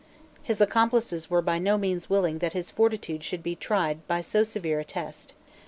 His accomplices were by no means willing that his fortitude should be tried by so severe a test.